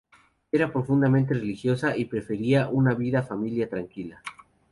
Era profundamente religiosa, y prefería una vida familia tranquila.